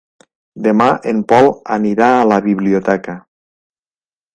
Demà en Pol anirà a la biblioteca.